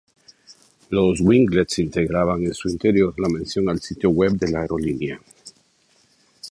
Los winglets integraban en su interior la mención al sitio web de la aerolínea.